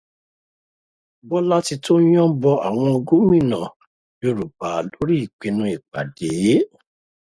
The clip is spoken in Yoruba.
Bọ́látitó yòǹbó àwọn gómìnà Yorùbá lórí ìpìnnu ìpàdé.